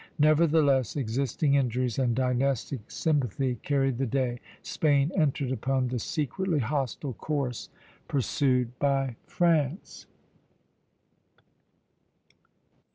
Nevertheless, existing injuries and dynastic sympathy carried the day. Spain entered upon the secretly hostile course pursued by France.